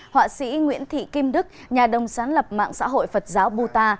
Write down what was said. họa sĩ nguyễn thị kim đức nhà đồng sáng lập mạng xã hội phật giáo budar